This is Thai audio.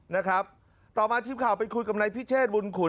นะครับต่อมาทีมข่าวไปคุยกับนายพิเชษบุญขุน